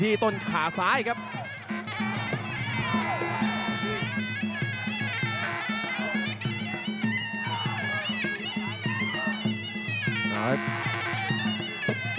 สวัสดีการตุกแล้วแทงด้วยเขาความสุข